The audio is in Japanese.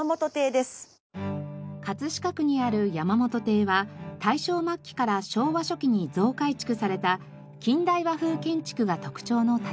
飾区にある山本亭は大正末期から昭和初期に増改築された近代和風建築が特徴の建物。